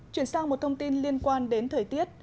chuyển sang một thông tin liên quan đến thời tiết